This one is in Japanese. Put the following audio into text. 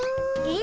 え？